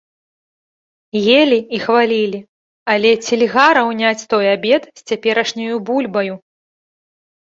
Елі і хвалілі, але ці льга раўняць той абед з цяперашняю бульбаю?